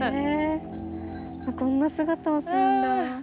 こんな姿をするんだ。